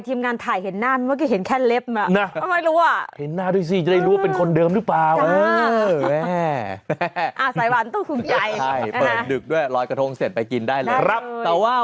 ทีมงานถ่ายเห็นหน้าเมื่อกี้เห็นแค่เล็บมานะ